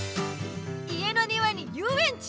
家のにわにゆうえんち！